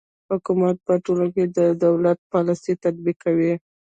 حکومت په ټولنه کې د دولت پالیسي تطبیقوي.